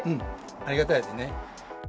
ありがたいですね。